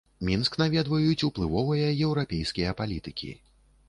Мінск наведваюць уплывовыя еўрапейскія палітыкі.